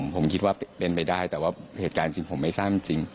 ผมคิดว่าเป็นไปได้แต่ว่าเหตุการณ์จริงผมไม่ทราบจริง